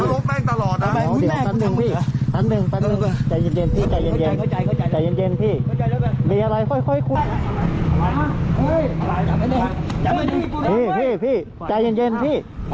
อย่าไปทำไม